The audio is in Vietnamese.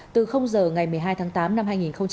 từ giờ ngày một mươi hai tháng tám năm hai nghìn hai mươi